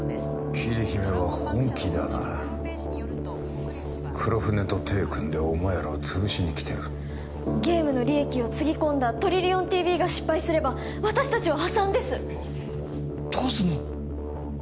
桐姫は本気だな黒船と手組んでお前らを潰しにきてるゲームの利益をつぎ込んだトリリオンＴＶが失敗すれば私達は破産ですどうすんの？